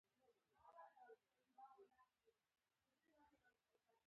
که نه وي نو اولسوالي.